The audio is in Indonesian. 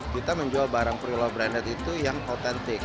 kita menjual barang prelove branded itu yang autentik